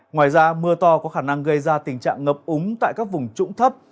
ngoài ra mưa to có khả năng gây ra tình trạng ngập úng tại các vùng trũng thấp